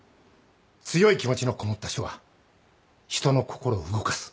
強い気持ちのこもった書は人の心を動かす。